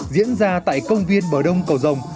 diễn ra tại công viên bờ đông cầu rồng